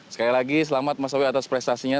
sekali lagi selamat mas awi atas prestasinya